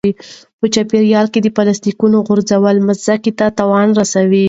په چاپیریال کې د پلاستیکونو غورځول مځکې ته تاوان رسوي.